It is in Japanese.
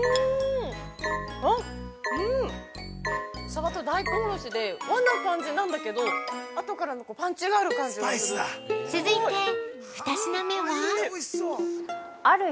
サバと大根おろしで和の感じなんだけど、あとからのパンチがある感じがする。